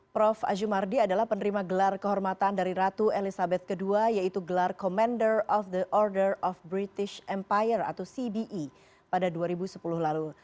prof azumardi adalah penerima gelar kehormatan dari ratu elizabeth ii yaitu gelar commander of the order of british empire atau cbe pada dua ribu sepuluh lalu